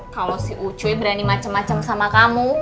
kalau si ucuy berani macem macem sama kamu